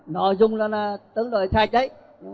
nội dung đó là tương đối sai trách